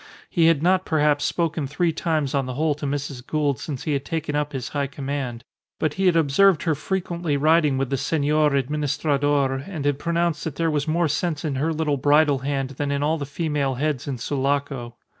He had not, perhaps, spoken three times on the whole to Mrs. Gould since he had taken up his high command; but he had observed her frequently riding with the Senor Administrador, and had pronounced that there was more sense in her little bridle hand than in all the female heads in Sulaco.